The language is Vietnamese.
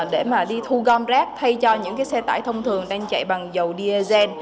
để mà đi thu gom rác thay cho những cái xe tải thông thường đang chạy bằng dầu diesel